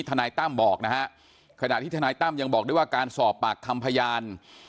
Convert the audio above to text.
นายตั้มบอกนะฮะขณะที่ทนายตั้มยังบอกด้วยว่าการสอบปากคำพยาน